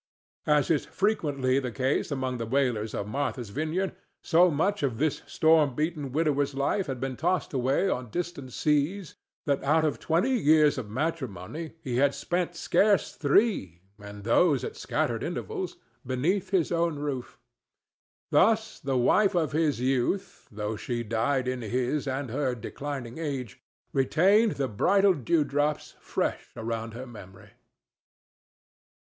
As is frequently the case among the whalers of Martha's Vineyard, so much of this storm beaten widower's life had been tossed away on distant seas that out of twenty years of matrimony he had spent scarce three, and those at scattered intervals, beneath his own roof. Thus the wife of his youth, though she died in his and her declining age, retained the bridal dewdrops fresh around her memory.